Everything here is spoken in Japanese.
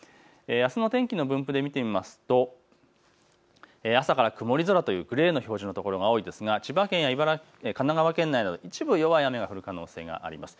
あすの天気の分布で見てみますと朝から曇り空とグレーの表示の所が多いですが千葉県、神奈川県の一部のところでは晴れる予想があります。